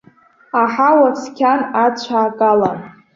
Аҳауа цқьан, ацәаак алан.